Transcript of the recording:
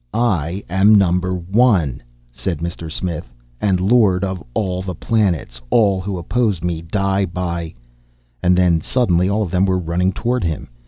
"I am Number One," said Mr. Smith, "and Lord of all the planets. All who oppose me, die by " And then, suddenly all of them were running toward him.